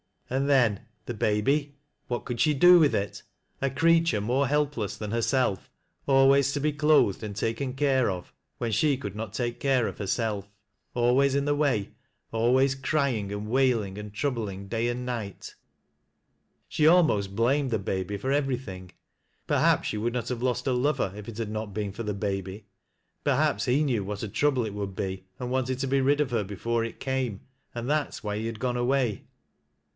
And then, the baby ? What could she do with it ?— a creature more helpless than hei self, always to be clothed and taken care of, when she could not take care of herself, always in the way, always crying and wailing and troubling day and night. She almost blamed the baby for every thing. Perhaps she would not have lost her lover if it had uot been for the baby. Perhaps he knew what a trouble it would be, and wanted to be rid of her before it came, and that was why he had gone away.